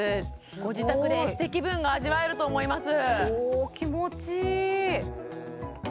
ご自宅でエステ気分が味わえると思います